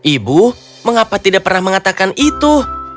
ibu mengapa tidak pernah mengatakan itu